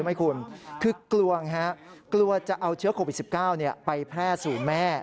ขอบคุณพี่ไทยที่ขอบคุณพี่ไทยที่ขอบคุณพี่ไทย